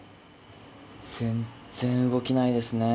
全然動きないですね。